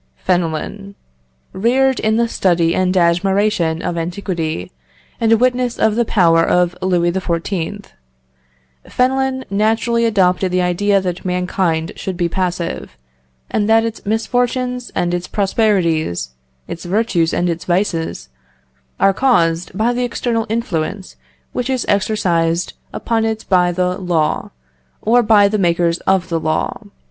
Fenelon. Reared in the study and admiration of antiquity, and a witness of the power of Louis XIV., Fenelon naturally adopted the idea that mankind should be passive, and that its misfortunes and its prosperities, its virtues and its vices, are caused by the external influence which is exercised upon it by the law, or by the makers of the law.